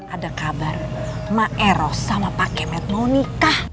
ada kabar ma'erus sama pak kemet mau nikah